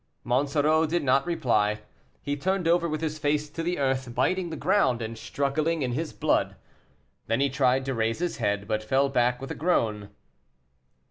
Monsoreau did not reply. He turned over with his face to the earth, biting the ground, and struggling in his blood. Then he tried to raise his head, but fell back with a groan.